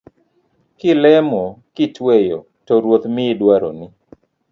Kilemo kitweyo to Ruoth miyi dwaroni